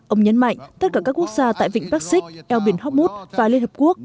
ông nhấn mạnh tất cả các quốc gia tại vịnh bắc xích eo biển hoc mút và liên hợp quốc